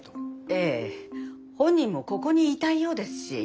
ええ本人もここにいたいようですし。